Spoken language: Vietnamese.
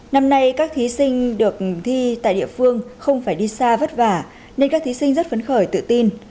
năm nay các thí sinh được thi tại địa phương không phải đi xa vất vả nên các thí sinh rất phấn khởi tự tin